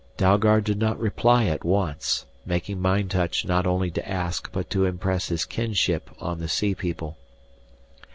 Dalgard did not reply at once, making mind touch not only to ask but to impress his kinship on the sea people.